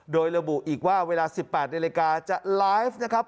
โดยระบุอีกว่าเวลา๑๘นาฬิกาจะไลฟ์นะครับ